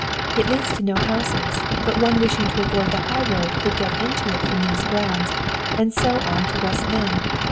It leads to no houses, but one wishing to avoid the high road could get into it from these grounds, and so on to West Lynne.